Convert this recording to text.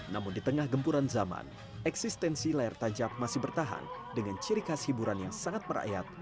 namun di tengah gempuran zaman eksistensi layar tancap masih bertahan dengan ciri khas hiburan yang sangat merayat